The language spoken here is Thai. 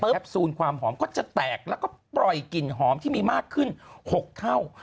ซูลความหอมก็จะแตกแล้วก็ปล่อยกลิ่นหอมที่มีมากขึ้น๖เท่า